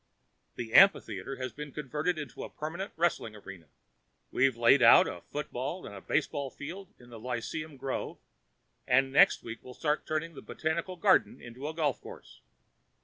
The amphitheater has been converted into a permanent wrestling arena. We've laid out a football and a baseball field in the lyceum grove, and next week we'll start turning the botanical garden into a golf course.